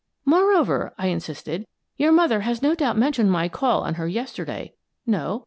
" Moreover," I insisted, " your mother has no doubt mentioned my call on her yesterday. No?